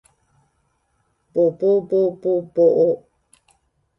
ぼぼぼぼぼお